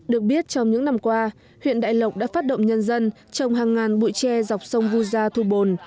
được biết trong những năm qua huyện đại lộc đã phát động nhân dân trồng hàng ngàn bụi tre dọc sông vu gia thu bồn